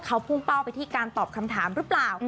เขาพุ่งเป้าไปที่การตอบคำถามหรือเปล่า